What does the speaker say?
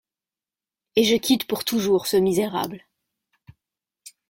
Et je quitte pour toujours ce misérable.